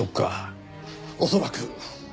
恐らく。